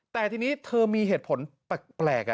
แต่ทีนี้เธอมีเหตุผลแปลก